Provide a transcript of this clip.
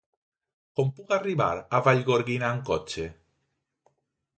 Com puc arribar a Vallgorguina amb cotxe?